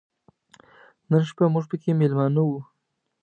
نن شپه موږ پکې مېلمانه و.